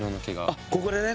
あっここでね。